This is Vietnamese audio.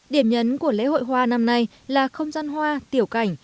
điểm nhấn của lễ hội hoa năm nay là không gian hoa tiểu cảnh